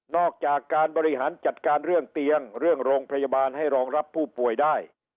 อกจากการบริหารจัดการเรื่องเตียงเรื่องโรงพยาบาลให้รองรับผู้ป่วยได้